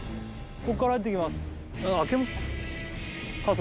こっから入っていきます